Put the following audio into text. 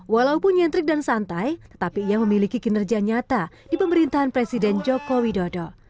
walaupun nyentrik dan santai tetapi ia memiliki kinerja nyata di pemerintahan presiden joko widodo